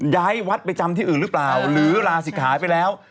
ย้ายวัดไปจำที่อื่นหรือเปล่าหรือลาศิกหายไปแล้ว